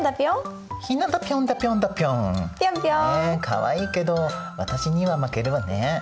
かわいいけど私には負けるわね。